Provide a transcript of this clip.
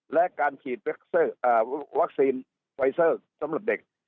และการฉีดวัคซีนไฟเซอร์สำหรับเด็ก